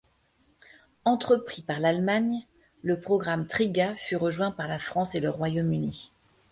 Entrepris par l'Allemagne, le programme Trigat fut rejoint par la France et le Royaume-Uni.